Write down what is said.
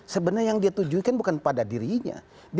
sebenarnya yang dia tujukan bukan pada dirinya